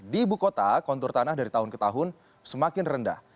di ibu kota kontur tanah dari tahun ke tahun semakin rendah